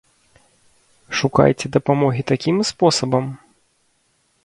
Шукайце дапамогі такім спосабам?